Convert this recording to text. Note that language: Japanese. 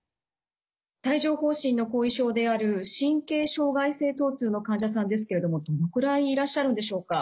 帯状ほう疹の後遺症である神経障害性とう痛の患者さんですけれどもどのくらいいらっしゃるんでしょうか。